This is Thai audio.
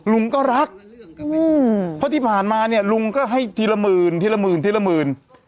ลุงก็รักเพราะที่ผ่านมาเนี่ยลุงก็ให้ทีละหมื่นทีละหมื่นทีละหมื่น